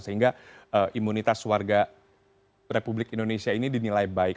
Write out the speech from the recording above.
sehingga imunitas warga republik indonesia ini dinilai baik